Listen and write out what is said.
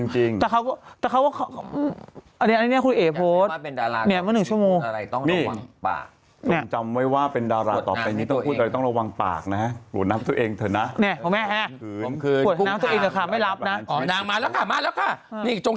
ใช่ใช่นะคะว่านางเป็นคนโพสต์เองจริง